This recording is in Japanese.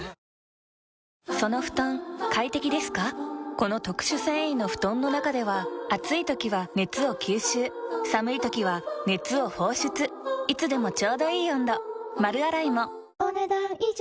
この特殊繊維の布団の中では暑い時は熱を吸収寒い時は熱を放出いつでもちょうどいい温度丸洗いもお、ねだん以上。